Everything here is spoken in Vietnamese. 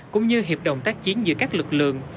cũng như hiệp đồng tác chiến giữa các lực lượng